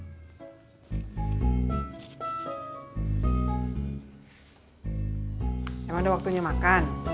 emang udah waktunya makan